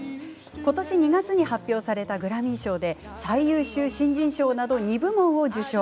今年２月に発表されたグラミー賞で最優秀新人賞など２部門を受賞。